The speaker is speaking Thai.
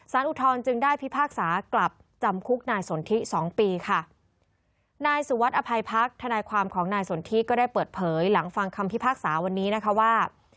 สารอุทธรจึงได้พิพากษากลับจำคุกนายสนทรีย์๒ปีค่ะ